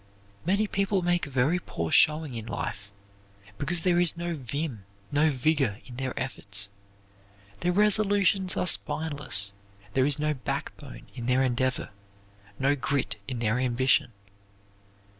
Many people make a very poor showing in life, because there is no vim, no vigor in their efforts. Their resolutions are spineless; there is no backbone in their endeavor no grit in their ambition.